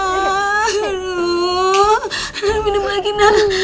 aduh minum lagi naya